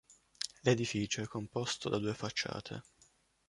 L'edificio è composto da due facciate.